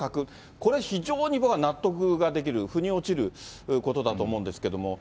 これ、非常に僕は納得ができる、ふに落ちることだと思うんですけれども。